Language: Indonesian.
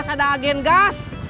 ada agen gas